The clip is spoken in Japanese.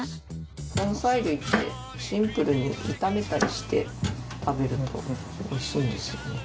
根菜類ってシンプルに炒めたりして食べるのがおいしいんですよね。